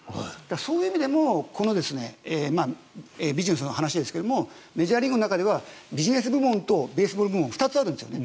そういう意味でもこのビジネスの話ですがメジャーリーグの中ではビジネス部門とベースボール部門２つあるんですよね。